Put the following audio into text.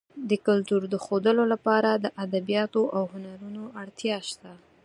د کلتور د ښودلو لپاره د ادبیاتو او هنرونو اړتیا شته.